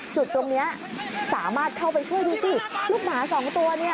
จุดตรงนี้สามารถเข้าไปช่วยดูสิลูกหมาสองตัวเนี่ย